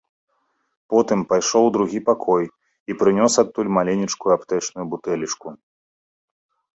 Потым пайшоў у другі пакой і прынёс адтуль маленечкую аптэчную бутэлечку.